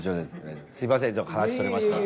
すいません話それました。